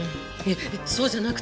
えっそうじゃなくて。